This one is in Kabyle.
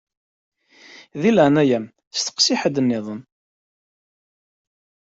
Di leɛnaya-m steqsi ḥedd-nniḍen.